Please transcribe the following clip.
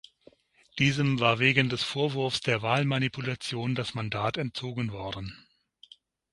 Diesem war wegen des Vorwurfs der Wahlmanipulation das Mandat entzogen worden.